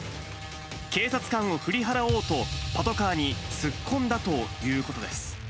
警察官を振り払おうと、パトカーに突っ込んだということです。